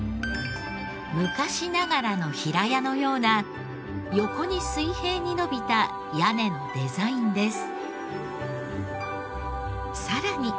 昔ながらの平屋のような横に水平に延びた屋根のデザインです。